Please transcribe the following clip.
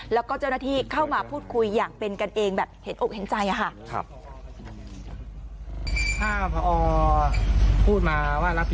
แล้วก็เจ้าหน้าที่เข้ามาพูดคุยอย่างเป็นกันเองแบบเห็นอกเห็นใจค่ะ